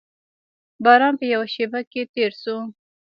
باران په یوه شېبه کې تېر شو.